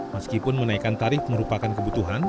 meskipun menaikkan tarif merupakan kebutuhan